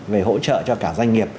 về hỗ trợ cho cả doanh nghiệp